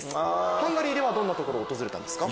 ハンガリーではどんな所を訪れたんですか？